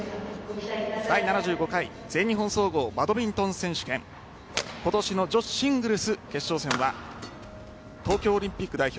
第７５回全日本総合バドミントン選手権今年の女子シングルス決勝戦は東京オリンピック代表